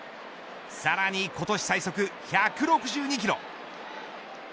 さらに今年最速１６２キロ。